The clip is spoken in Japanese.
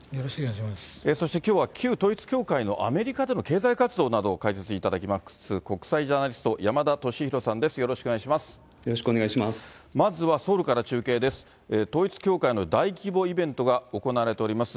そしてきょうは、旧統一教会のアメリカでの経済活動などを解説いただきます、国際ジャーナリスト、山田敏弘さんです。